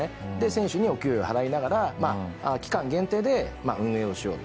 選手にお給料払いながら期間限定で運営をしようと。